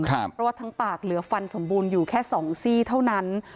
เพราะว่าทั้งปากเหลือฟันสมบูรณ์อยู่แค่๒ซี่เท่านั้น